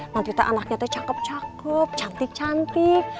nanti anaknya itu cakep cakep cantik cantik